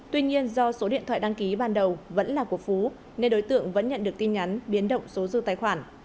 tuy nhiên do số điện thoại đăng ký ban đầu vẫn là của phú nên đối tượng vẫn nhận được tin nhắn biến động số dư tài khoản